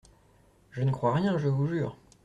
Je ne crois rien, je vous jure.